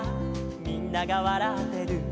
「みんながわらってる」